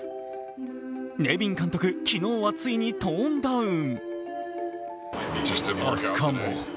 ネビン監督、昨日はついにトーンダウン。